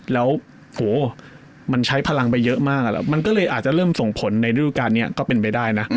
แล้วโหมันใช้พลังไปเยอะมากมันก็เลยอาจจะเริ่มส่งผลในฤดูการนี้ก็เป็นไปได้นะ